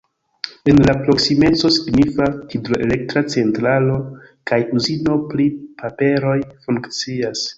En la proksimeco signifa hidroelektra centralo kaj uzino pri paperoj funkcias.